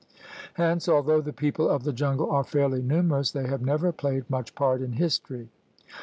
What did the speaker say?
Hence, although the people of the jungle are fairly numerous, they have never played much part in history.